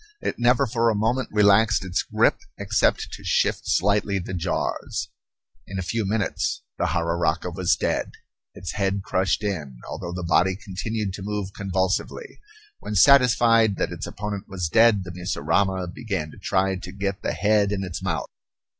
It never for a moment relaxed its grip except to shift slightly the jaws. In a few minutes the jararaca was dead, its head crushed in, although the body continued to move convulsively. When satisfied that its opponent was dead, the mussurama began to try to get the head in its mouth.